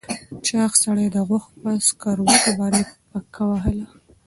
چاغ سړي د غوښو په سکروټو باندې پکه وهله.